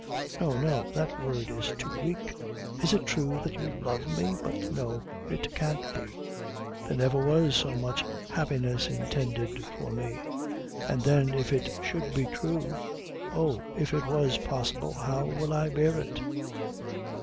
no, no that word is too wake is it true that you love me? but no it can't be there never was so much happiness intended for me; and then, if it should be true oh, if it was possible, how will I bear it?